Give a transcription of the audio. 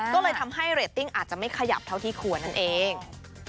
ก็เลยทำให้เรตติ้งอาจจะไม่ขยับเท่าที่ควรนั่นเอง